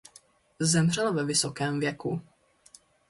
Zemřel ve vysokém věku.